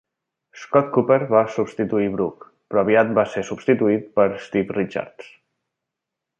Scott Cooper va substituir Brook, però aviat va ser substituït per Steve Richards.